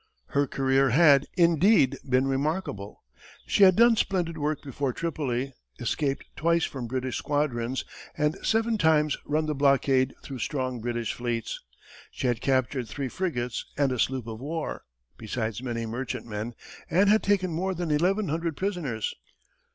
Her career had, indeed, been remarkable. She had done splendid work before Tripoli, escaped twice from British squadrons and seven times run the blockade through strong British fleets; she had captured three frigates and a sloop of war, besides many merchantmen, and had taken more than eleven hundred prisoners.